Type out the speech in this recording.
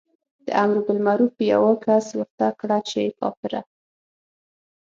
د امر بالمعروف یوه کس ورته کړه چې کافره.